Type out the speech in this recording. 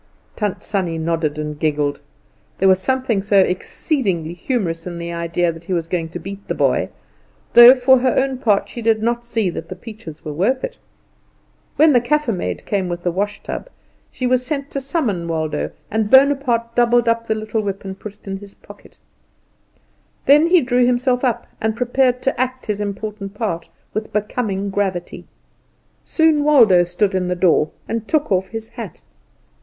Tant Sannie nodded, and giggled. There was something so exceedingly humorous in the idea that he was going to beat the boy, though for her own part she did not see that the peaches were worth it. When the Kaffer maid came with the wash tub she was sent to summon Waldo; and Bonaparte doubled up the little whip and put it in his pocket. Then he drew himself up, and prepared to act his important part with becoming gravity. Soon Waldo stood in the door, and took off his hat.